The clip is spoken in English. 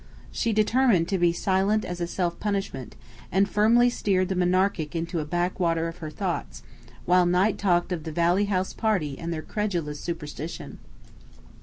She determined to be silent as a self punishment, and firmly steered the Monarchic into a backwater of her thoughts, while Knight talked of the Valley House party and their credulous superstition.